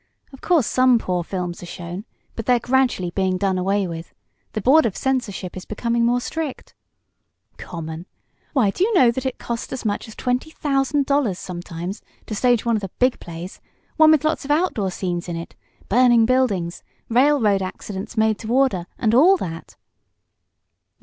Of course some poor films are shown, but they're gradually being done away with. The board of censorship is becoming more strict. "Common! Why do you know that it costs as much as $20,000, sometimes, to stage one of the big plays one with lots of outdoor scenes in it, burning buildings, railroad accidents made to order, and all that."